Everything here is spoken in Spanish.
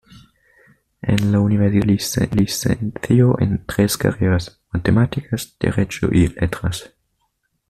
En la Universidad se licenció en tres carreras: Matemáticas, Derecho y Letras.